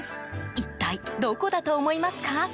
一体、どこだと思いますか？